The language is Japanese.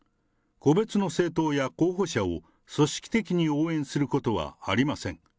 個別の政党や候補者を組織的に応援することはありません。